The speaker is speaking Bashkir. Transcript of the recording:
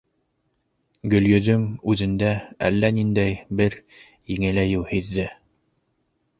Гөлйөҙөм үҙендә әллә ниндәй бер еңеләйеү һиҙҙе.